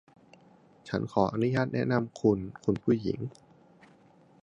ถ้าฉันจะขออนุญาตแนะนำคุณ คุณผู้หญิง